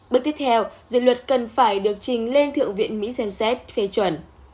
bước tiếp theo dự luật cần phải được trình lên thượng viện mỹ xem xét phê chuẩn